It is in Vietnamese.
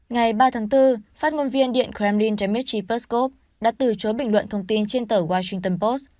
ngày ba tháng bốn phát ngôn viên điện kremlin dmitry peskov đã từ chối bình luận thông tin trên tờ washington post